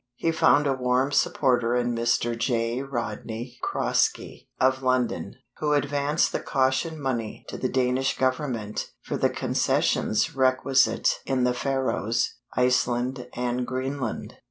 He found a warm supporter in Mr. J. Rodney Croskey, of London, who advanced the "caution" money to the Danish Government for the concessions requisite in the Faroes, Iceland, and Greenland.